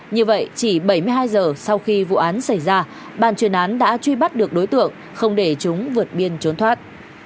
như vậy chỉ bảy mươi hai giờ sau khi vụ án xảy ra bàn chuyên án đã truy bắt được đối tượng không để chúng vượt biên trốn thoát